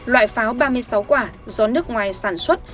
loại pháo ba mươi sáu quả do nước ngoài sản xuất